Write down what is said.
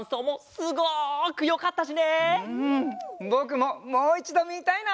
ぼくももういちどみたいな！